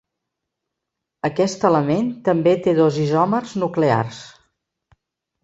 Aquest element també té dos isòmers nuclears.